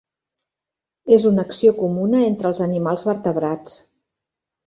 És una acció comuna entre els animals vertebrats.